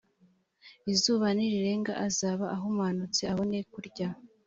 izuba nirirenga azaba ahumanutse abone kurya